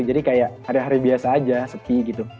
jadi kayak hari hari biasa aja seti gitu